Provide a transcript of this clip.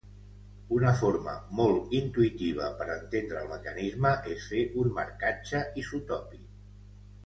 Una forma molt intuïtiva per entendre el mecanisme és fer un marcatge isotòpic.